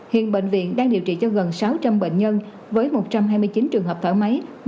hiện bệnh viện đang điều trị cho gần sáu trăm linh bệnh nhân với một trăm hai mươi chín trường hợp thở máy